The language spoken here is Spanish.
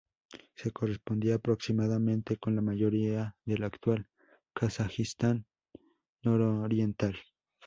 Se correspondía aproximadamente con la mayoría del actual Kazajistán nororiental.